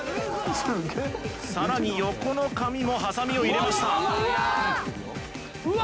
さらに横の髪もはさみを入れましたうわ